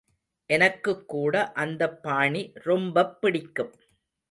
எனக்குக் கூட அந்தப்பாணி ரொம்பப் பிடிக்கும்.